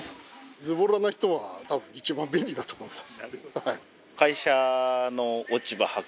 ズボラな人は多分一番便利だと思います。